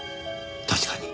確かに。